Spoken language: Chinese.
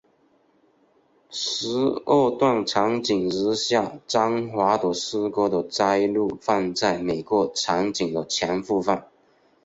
十二段场景如下张华的诗歌的摘录放在每个场景的前部分。